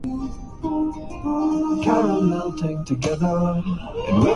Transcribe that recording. اورہوٹنگ شروع کردیں۔